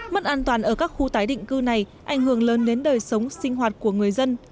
mất an toàn ở các khu tái định cư này ảnh hưởng lớn đến đời sống sinh hoạt của người dân